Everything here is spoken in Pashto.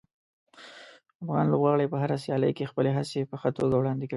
افغان لوبغاړي په هره سیالي کې خپلې هڅې په ښه توګه وړاندې کوي.